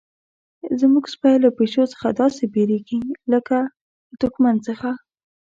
زموږ سپی له پیشو څخه داسې بیریږي لکه له دښمن څخه.